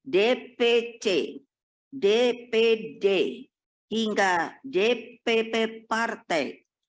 dpc dpd hingga dpp partai